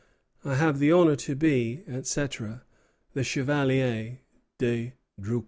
I have the honor to be, etc., The Chevalier de Drucour.